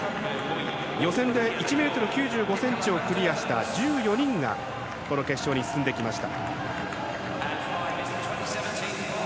予選で１ｍ９５ｃｍをクリアした１４人が決勝に進んできました。